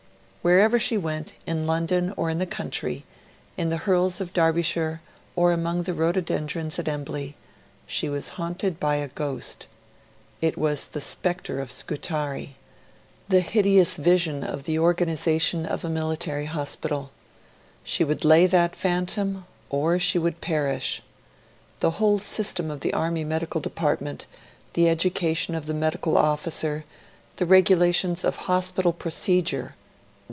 Wherever she went, in London or in the country, in the hills of Derbyshire, or among the rhododendrons at Embley, she was haunted by a ghost. It was the spectre of Scutari the hideous vision of the organisation of a military hospital. She would lay that phantom, or she would perish. The whole system of the Army Medical Department, the education of the Medical Officer, the regulations of hospital procedure